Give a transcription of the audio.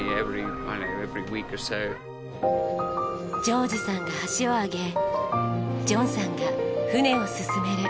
ジョージさんが橋を上げジョンさんが船を進める。